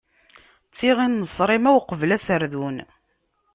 D tiɣin n ṣṣrima, uqbel aserdun.